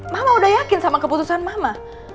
mama udah yakin sama keputusan mama